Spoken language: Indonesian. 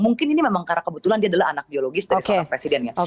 mungkin ini memang karena kebetulan dia adalah anak biologis dari seorang presidennya